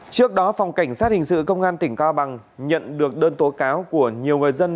trước đó phòng cảnh sát hình sự công an tỉnh cao bằng nhận được đơn tố cáo của nhiều người dân